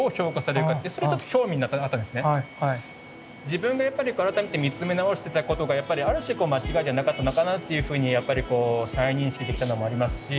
自分がやっぱりこう改めて見つめ直してたことがやっぱりある種間違いじゃなかったのかなっていうふうにやっぱり再認識できたのもありますし。